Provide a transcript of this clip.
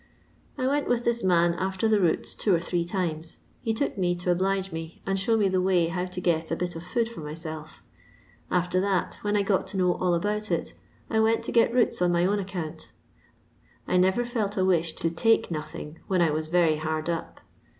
I went with this man after the roots two or three times ; he took me to oblige me, and show me the way how to get a bit of food for myself; after that, when I got to know all about it, I went to get roots on my own account. I never felt a wish to take nothing when I was very hard up.